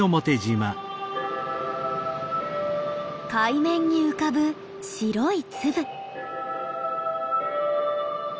海面に浮かぶ白い粒。